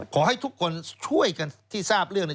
ขอให้ทุกคนช่วยกันที่ทราบเรื่องเนี่ย